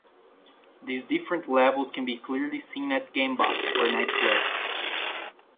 These different levels can be clearly seen at a genba, or nightclub.